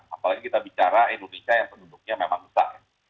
apalagi kita bicara indonesia yang penduduknya memang besar